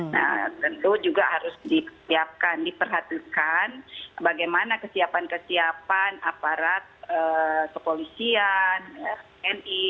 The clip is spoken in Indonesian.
nah tentu juga harus disiapkan diperhatikan bagaimana kesiapan kesiapan aparat kepolisian ni